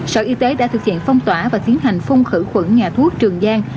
sở y tế đã thực hiện phong tỏa và tiến hành phun khử khuẩn nhà thuốc trường giang